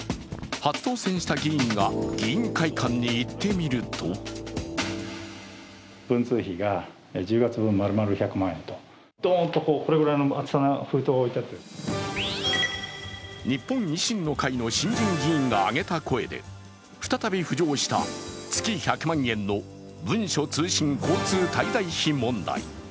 初当選した議員が議員会館に行ってみると日本維新の会の新人議員が上げた声で再び浮上した月１００万円の文書通信交通滞在費問題。